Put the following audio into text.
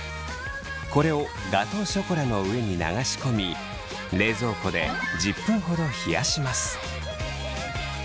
これをガトーショコラの上に流し込み冷蔵庫で１０分ほど冷やします。